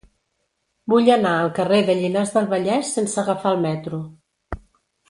Vull anar al carrer de Llinars del Vallès sense agafar el metro.